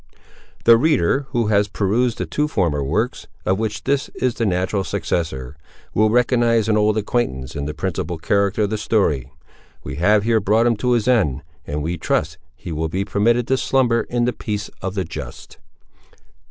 The reader, who has perused the two former works, of which this is the natural successor, will recognise an old acquaintance in the principal character of the story. We have here brought him to his end, and we trust he will be permitted to slumber in the peace of the just.